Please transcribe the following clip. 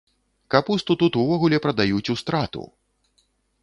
Капусту тут увогуле прадаюць у страту!